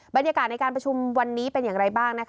บรรยากาศในการประชุมวันนี้เป็นอย่างไรบ้าง